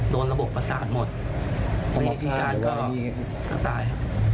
โดนระบบประสาทหมดพี่การก็ตาย